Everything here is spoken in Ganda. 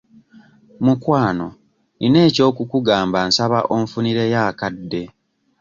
Mukwano nina eky'okukugamba nsaba onfunireyo akadde.